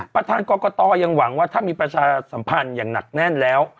ประธานกรกตยังหวังว่าถ้ามีประชาสัมพันธ์อย่างหนักแน่นแล้ว